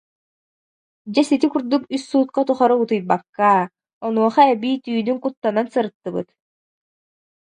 Дьэ сити курдук үс суукка тухары утуйбакка, онуоха эбии түүнүн куттанан сырыттыбыт